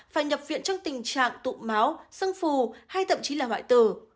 phải nhập viện trong tình trạng tụ máu sưng phù hay thậm chí là hoại tử